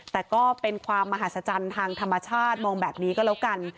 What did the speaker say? แต่ก็เป็นความมหัศจรรย์ทางธรรมชาติมองแบบนี้ก็แล้วกัน